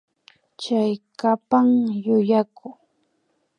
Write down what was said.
Chaykapan yuyaku